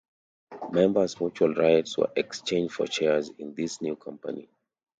Members' mutual rights were exchanged for shares in this new company.